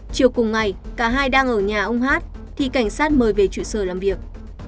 chiều cùng ngày cả hai đang ở nhà ông hát thì cảnh sát mời về trụ sở làm việc